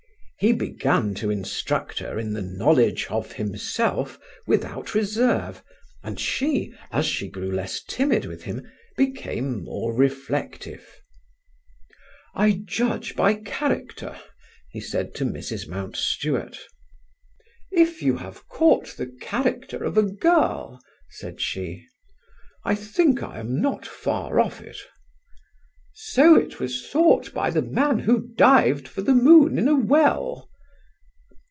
He began to instruct her in the knowledge of himself without reserve, and she, as she grew less timid with him, became more reflective. "I judge by character," he said to Mrs. Mountstuart. "If you have caught the character of a girl," said she. "I think I am not far off it." "So it was thought by the man who dived for the moon in a well."